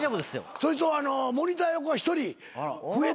それとモニター横が１人増えた。